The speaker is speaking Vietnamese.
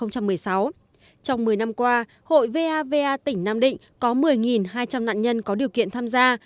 trong một mươi năm qua hội vava tỉnh nam định có một mươi hai trăm linh nạn nhân có điều kiện tham gia